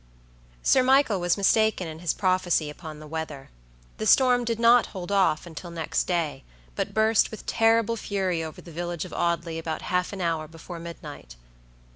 Sir Michael was mistaken in his prophecy upon the weather. The storm did not hold off until next day, but burst with terrible fury over the village of Audley about half an hour before midnight.